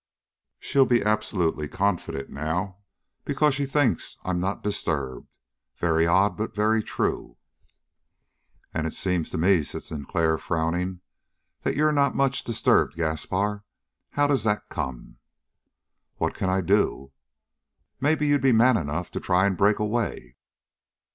She'll be absolutely confident now, because she thinks I'm not disturbed. Very odd, but very true." "And it seems to me," said Sinclair, frowning, "that you're not much disturbed, Gaspar. How does that come?" "What can I do?" "Maybe you'd be man enough to try to break away."